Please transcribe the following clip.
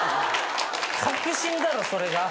確信だろそれが。